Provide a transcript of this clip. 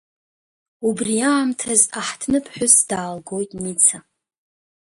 Убри аамҭаз аҳҭныԥҳәыс даалгоит Ница.